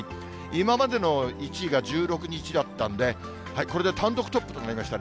今までの１位が１６日だったので、これで単独トップとなりました。